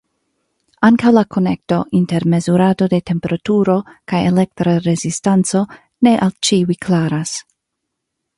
Ankaŭ la konekto inter mezurado de temperaturo kaj elektra rezistanco ne al ĉiuj klaras.